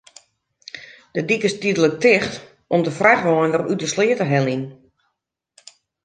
De dyk is tydlik ticht om de frachtwein wer út de sleat te heljen.